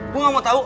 gue gak mau tahu